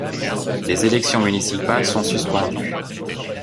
Les élections municipales sont suspendues.